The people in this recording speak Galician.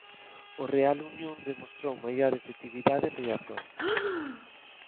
O Real Unión demostrou maior efectividade en Riazor.